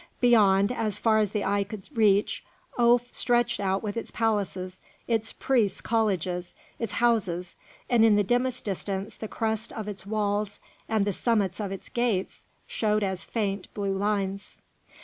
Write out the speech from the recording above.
Beyond, as far as the eye could reach, Oph stretched out with its palaces, its priests' colleges, its houses, and in the dimmest distance the crests of its walls and the summits of its gates showed as faint blue lines.